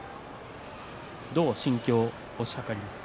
どう心境を推し量りますか。